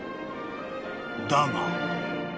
［だが］